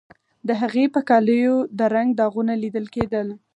د هغې په کالیو د رنګ داغونه لیدل کیدل